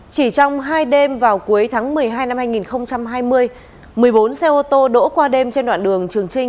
chỉ trong hai đêm vào cuối tháng một mươi hai năm hai nghìn hai mươi một mươi bốn xe ô tô đỗ qua đêm trên đoạn đường trường trinh